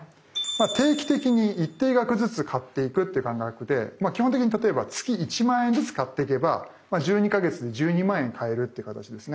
定期的に一定額ずつ買っていくっていう感覚で基本的に例えば月１万円ずつ買っていけば１２か月で１２万円買えるっていう形ですね。